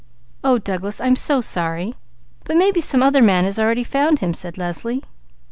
"Oh Douglas! I'm so sorry! But maybe some other man has already found him," said Leslie.